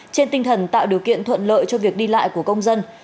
trên tinh thần tạo điều kiện thuận lợi cho việc đi lại của công dân